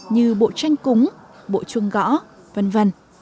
như bộ tranh cúng bộ chuông gõ v v